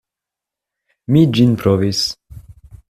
Mi ĝin provis.